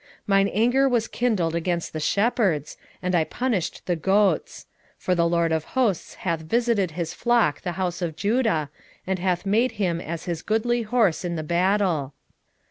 10:3 Mine anger was kindled against the shepherds, and I punished the goats: for the LORD of hosts hath visited his flock the house of Judah, and hath made them as his goodly horse in the battle.